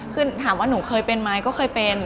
คือถามว่าหนูเคยเป็นไหมก็เคยเป็น